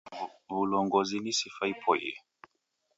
W'ulongozi ni sifa ipoye.